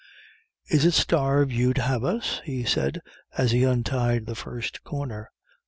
"Is it starved you'd have us?" he said as he untied the first corner.